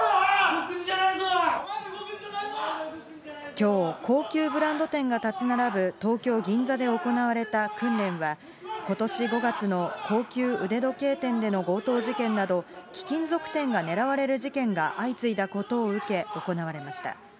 きょう、高級ブランド店が建ち並ぶ東京・銀座で行われた訓練は、ことし５月の高級腕時計店での強盗事件など、貴金属店が狙われる事件が相次いだことを受け行われました。